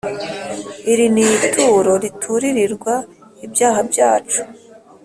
Iri ni ituro rituririrwa ibyaha byacu